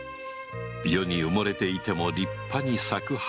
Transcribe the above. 世に埋もれていても立派に咲く花がある